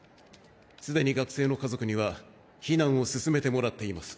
既に学生の家族には避難を進めてもらっています。